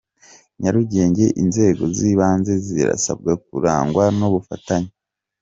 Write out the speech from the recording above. Nyarugenge Inzego z’Ibanze zirasabwa kurangwa n’ubufatanye